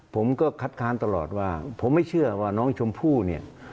ผมก็คัดค้านตลอดว่าผมไม่เชื่อว่าน้องชมพู่เนี่ย